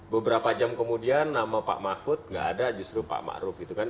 beberapa jam kemudian nama pak mahfud nggak ada justru pak mahfud gitu kan